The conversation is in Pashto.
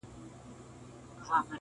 مور بې حاله ده او خبري نه سي کولای,